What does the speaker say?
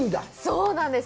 そうなんです。